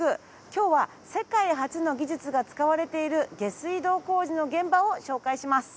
今日は世界初の技術が使われている下水道工事の現場を紹介します。